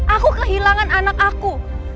aku kehilangan anak aku